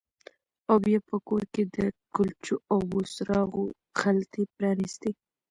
او بیا په کور کې د کلچو او بوسراغو خلطې پرانیستې